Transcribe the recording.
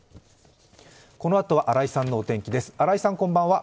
このあとは新井さんのお天気です。